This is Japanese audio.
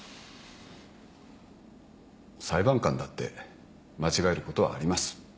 裁判官だって間違えることはあります。